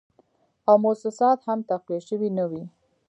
او موسسات هم تقویه شوي نه وې